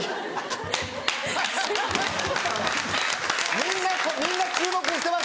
みんなみんな注目してましたよ。